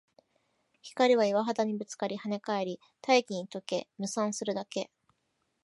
光は岩肌にぶつかり、跳ね返り、大気に溶け、霧散するだけ